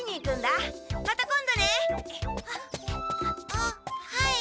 あっはい。